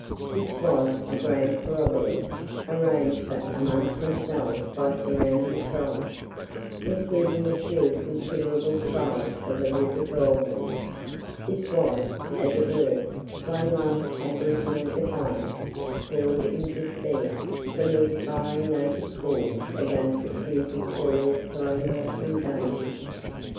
This was a grand corrobboree, arranged for amongst themselves by surrounding tribes, including the still considerable tribe of the River Goulburn. This was, as it were, one last aboriginal defiance, hurled in despair from the expiring native cause against the too victorious colonial invasion.